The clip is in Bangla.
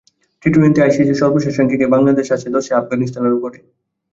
টি টোয়েন্টিতে আইসিসির সর্বশেষ র্যাঙ্কিংয়ে বাংলাদেশ আছে দশে, আফগানিস্তানেরও পরে।